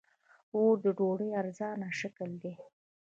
اوړه د ډوډۍ ارزانه شکل دی